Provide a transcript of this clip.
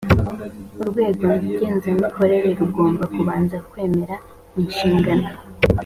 urwego ngenzuramikorere rugomba kubanza kwemera inshingano